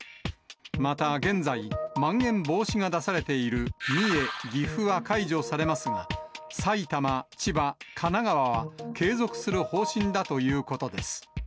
また現在、まん延防止が出されている三重、岐阜は解除されますが、埼玉、千葉、神奈川は継続する方針だということです。